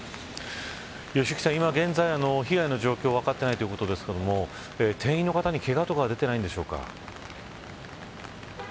良幸さん、今現在被害の状況分かっていないということですが店員の方に、けがとかは出ていないんでしょうか。